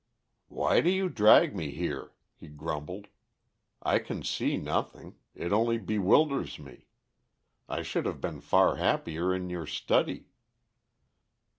"Why do you drag me here?" he grumbled. "I can see nothing; it only bewilders me. I should have been far happier in your study."